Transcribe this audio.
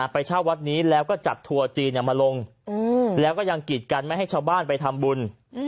ไปเช่าวัดนี้แล้วก็จัดทัวร์จีนมาลงแล้วก็ยังกีดกันไม่ให้ชาวบ้านไปทำบุญ